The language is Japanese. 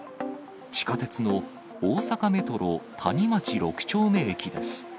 地下鉄の大阪メトロ谷町六丁目駅です。